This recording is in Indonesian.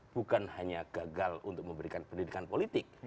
bukan hanya gagal untuk memberikan pendidikan politik